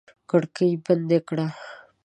کړکۍ بندې کړه!